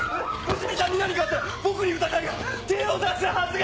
娘さんに何かあったら僕に疑いが手を出すはずが。